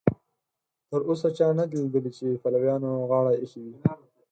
تر اوسه چا نه دي لیدلي چې پلویانو غاړه ایښې وي.